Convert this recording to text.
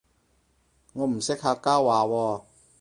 我唔識客家話喎